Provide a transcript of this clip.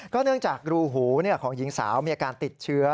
เนื่องจากรูหูของหญิงสาวมีอาการติดเชื้อ